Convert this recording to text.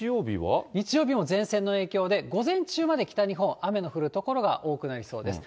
日曜日も前線の影響で、午前中まで北日本、雨の降る所が多くなりそうです。